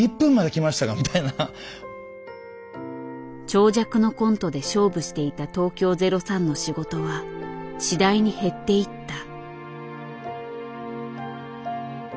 長尺のコントで勝負していた東京０３の仕事は次第に減っていった。